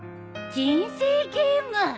人生ゲーム。